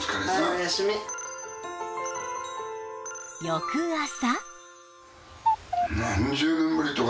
翌朝